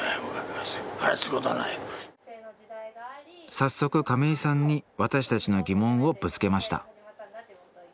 早速亀井さんに私たちの疑問をぶつけました